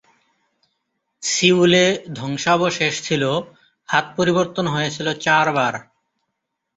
Seoul এ ধ্বংসাবশেষ ছিল, হাত পরিবর্তন হয়েছিল চারবার।